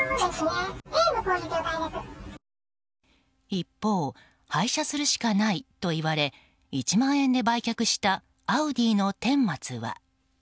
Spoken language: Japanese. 一方廃車するしかないと言われ１万円で売却したアウディの顛末は。